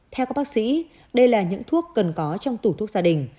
theo các bác sĩ đây là những thuốc cần có trong tủ thuốc gia đình